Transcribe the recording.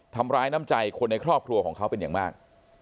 ทำร้ายน้ำใจคนในครอบครัวของเขาเป็นอย่างมาก